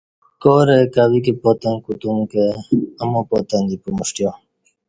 کارہ کویک پاتں کوتوم کہ امو پاتں دی پمݜٹیا